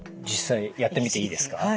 実際やってみていいですか？